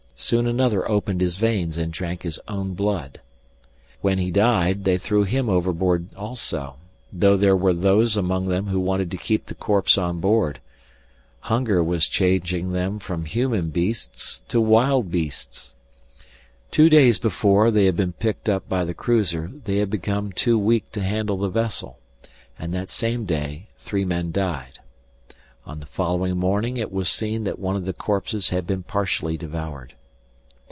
Soon another opened his veins and drank his own blood. When he died they threw him overboard also, though there were those among them who wanted to keep the corpse on board. Hunger was changing them from human beasts to wild beasts. Two days before they had been picked up by the cruiser they had become too weak to handle the vessel, and that same day three men died. On the following morning it was seen that one of the corpses had been partially devoured.